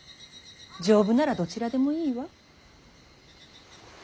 丈夫ならどちらでもいいわ。